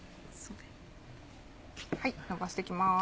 のばしていきます。